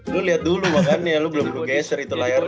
lo liat dulu makanya lo belum ngegeser itu layar lo